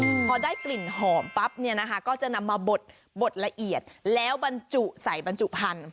พอได้กลิ่นหอมปั๊บเนี่ยนะคะก็จะนำมาบดบดละเอียดแล้วบรรจุใส่บรรจุพันธุ